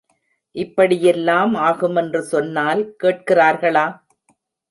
இப்படியெல்லாம் ஆகுமென்று சொன்னால் கேட்கிறார்களா?